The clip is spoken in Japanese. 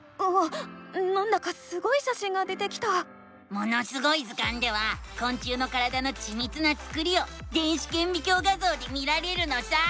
「ものすごい図鑑」ではこん虫の体のちみつなつくりを電子けんびきょう画ぞうで見られるのさ！